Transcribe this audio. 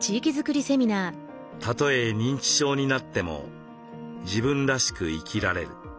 「たとえ認知症になっても自分らしく生きられる。